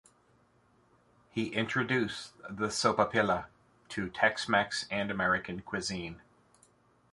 He introduced the sopapilla to Tex-Mex and American cuisine.